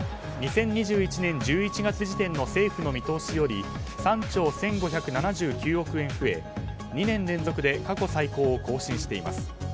２０２１年１１月時点の政府の見通しより３兆１５７９億円増え２年連続で過去最高を更新しています。